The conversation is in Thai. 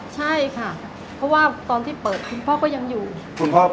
ใช่ค่ะเพราะตอนที่เปิดคุณพ่อก็ยังอยู่